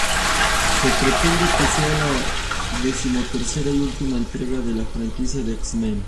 Se pretende que sea la decimotercera y última entrega de la franquicia de "X-Men".